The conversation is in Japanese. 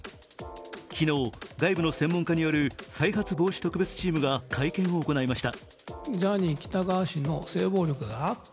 昨日、外部の専門家による再発防止特別チームが会見を行いました。